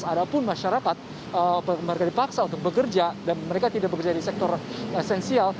ada pun masyarakat mereka dipaksa untuk bekerja dan mereka tidak bekerja di sektor esensial